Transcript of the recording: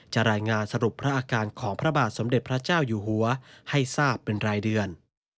รายงานสรุปพระอาการของพระบาทสมเด็จพระเจ้าอยู่หัวให้ทราบเป็นรายเดือน